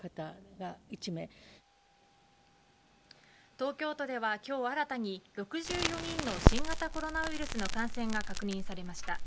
東京都では今日新たに６４人の新型コロナウイルスの感染が確認されました。